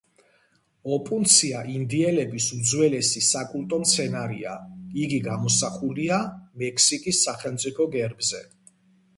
ოპუნცია ინდიელების უძველესი საკულტო მცენარეა; იგი გამოსახულია მექსიკის სახელმწიფო გერბზე.